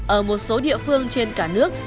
ở một số địa phương trên cả nước